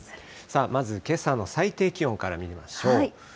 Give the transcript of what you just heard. まずけさの最低気温から見ましょう。